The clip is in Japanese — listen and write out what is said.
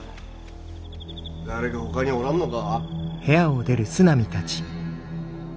誰かほかにおらぬのか。